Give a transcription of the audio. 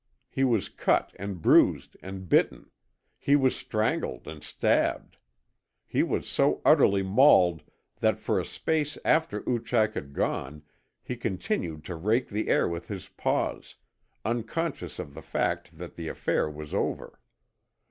He was cut and bruised and bitten; he was strangled and stabbed; he was so utterly mauled that for a space after Oochak had gone he continued to rake the air with his paws, unconscious of the fact that the affair was over.